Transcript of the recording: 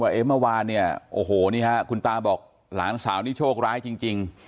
เมื่อวานเนี่ยโอ้โหนี่ฮะคุณตาบอกหลานสาวนี่โชคร้ายจริง